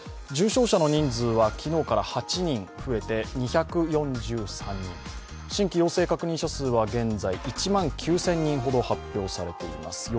重症者の人数は昨日から８人増えて２４３人、新規陽性確認者数は現在１万９０００人ほど発表されています。